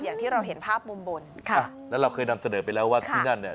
อย่างที่เราเห็นภาพมุมบนค่ะอ่ะแล้วเราเคยนำเสนอไปแล้วว่าที่นั่นเนี่ย